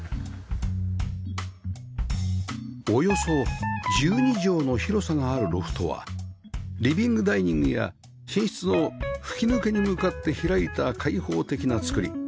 およそ１２畳の広さがあるロフトはリビングダイニングや寝室の吹き抜けに向かって開いた開放的な造り